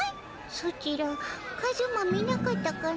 ソチらカズマ見なかったかの？